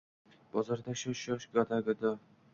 Bozorda shoh-shoh, gado-gado.